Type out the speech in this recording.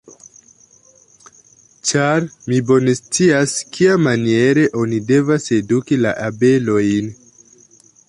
Ĉar mi bone scias, kiamaniere oni devas eduki la abelojn.